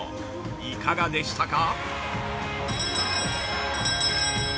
いかがでしたか？